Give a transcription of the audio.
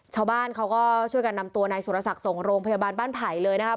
ชาวบ้านเขาก็ช่วยกันนำตัวนายสุรศักดิ์ส่งโรงพยาบาลบ้านไผ่เลยนะครับ